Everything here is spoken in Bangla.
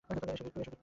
এসো, গিট্টু!